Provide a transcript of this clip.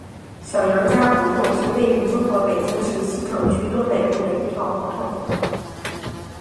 小杨家胡同是位于中国北京市西城区东北部的一条胡同。